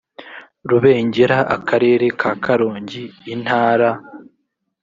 rubengera akarere ka karongi intara